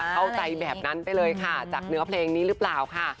เข้าใจแบบนั้นไปเลยค่ะจากเนื้อเพลงนี้หรือเปล่าค่ะ